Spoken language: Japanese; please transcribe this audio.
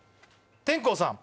天功さん。